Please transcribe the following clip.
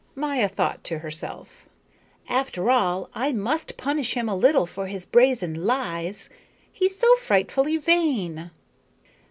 Maya thought to herself: "After all I must punish him a little for his brazen lies. He's so frightfully vain."